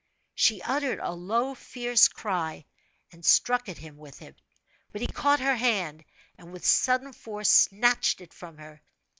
She uttered a low, fierce cry, and struck at him with it, but he caught her hand, and with sudden force snatched it from her.